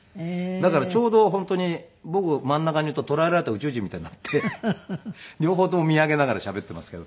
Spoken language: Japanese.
だからちょうど本当に僕真ん中にいると捕らえられた宇宙人みたいになって両方とも見上げながらしゃべっていますけど。